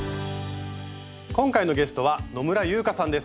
今回のゲストは野村佑香さんです。